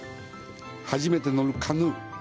初めて乗るカヌー。